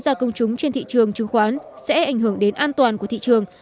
ra công chúng trên thị trường chứng khoán sẽ ảnh hưởng đến an toàn của thị trường